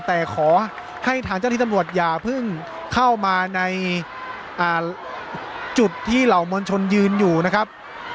แต่ขอให้ทางเจ้าที่ตำรวจอย่าเพิ่งเข้ามาในจุดที่เหล่ามวลชนยืนอยู่นะครับ